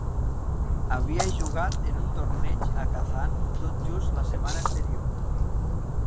Havia jugat en un torneig a Kazan tot just la setmana anterior.